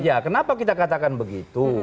ya kenapa kita katakan begitu